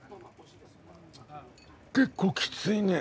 結構きついね。